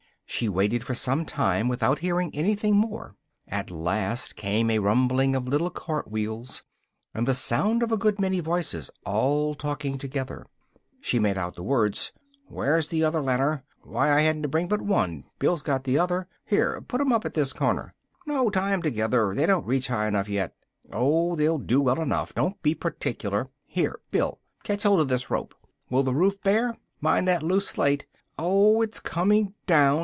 She waited for some time without hearing anything more: at last came a rumbling of little cart wheels, and the sound of a good many voices all talking together: she made out the words "where's the other ladder? why, I hadn't to bring but one, Bill's got the other here, put 'em up at this corner no, tie 'em together first they don't reach high enough yet oh, they'll do well enough, don't be particular here, Bill! catch hold of this rope will the roof bear? mind that loose slate oh, it's coming down!